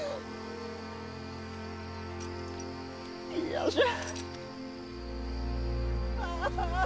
嫌じゃ。